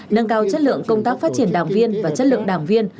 nâng cao chất lượng công tác phát triển đảng viên và chất lượng đảng viên